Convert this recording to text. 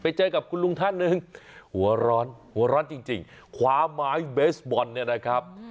เจอกับคุณลุงท่านหนึ่งหัวร้อนหัวร้อนจริงคว้าไม้เบสบอลเนี่ยนะครับ